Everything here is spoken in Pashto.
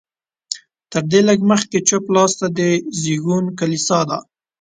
تر دې لږ مخکې چپ لاس ته د زېږون کلیسا ده.